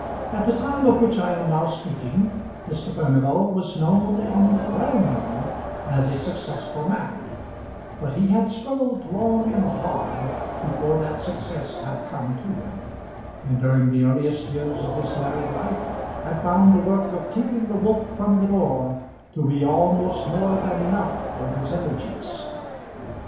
At the time of which I am now speaking Mr. Furnival was known, and well known, as a successful man; but he had struggled long and hard before that success had come to him, and during the earliest years of his married life had found the work of keeping the wolf from the door to be almost more than enough for his energies.